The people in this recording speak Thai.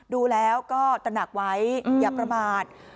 ดูแล้วก็ตระหนักไว้อย่าประมาท